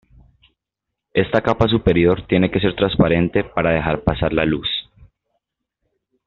Esta capa superior tiene que ser transparente para dejar pasar la luz.